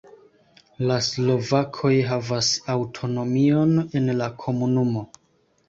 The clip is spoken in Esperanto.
La slovakoj havas aŭtonomion en la komunumo.